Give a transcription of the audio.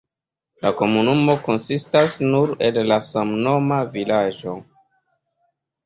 La komunumo konsistas nur el la samnoma vilaĝo.